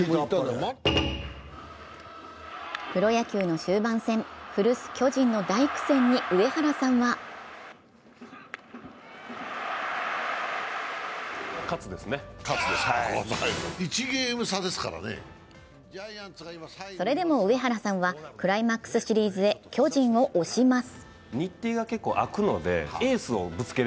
プロ野球の終盤戦、古巣・巨人の大苦戦に上原さんはそれでも上原さんはクライマックスシリーズへ巨人を推します。